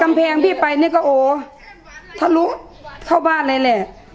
เพลงพี่ไปนี่ก็โอ้ทะลุเข้าบ้านเลยแหละ